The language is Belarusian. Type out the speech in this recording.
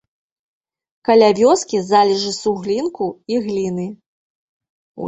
Каля вёскі залежы суглінку і гліны.